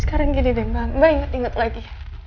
sekarang gini deh mbak mbak inget inget lagi